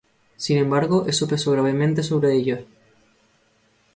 Sin embargo, eso pesó gravemente sobre ellos.